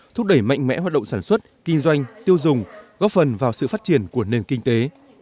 thúc đẩy mạnh mẽ hoạt động sản xuất kinh doanh tiêu dùng góp phần vào sự phát triển của nền kinh tế